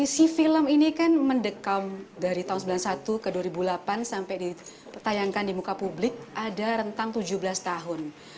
si film ini kan mendekam dari tahun sembilan puluh satu ke dua ribu delapan sampai ditayangkan di muka publik ada rentang tujuh belas tahun